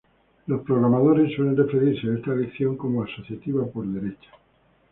Los programadores suelen referirse a esta elección como asociativa por derecha.